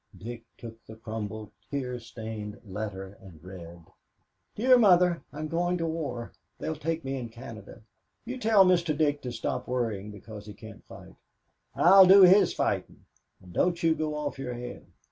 Dick took the crumpled, tear stained letter and read: "Dear Mother: "I'm going to war. They'll take me in Canada. You tell Mr. Dick to stop worrying because he can't fight. I'll do his fightin' and don't you go off your head.